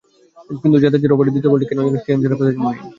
কিন্তু জাদেজার ওভারের দ্বিতীয় বলটি কেন যেন স্টেডিয়াম ছাড়া করতে চাইলেন মঈন।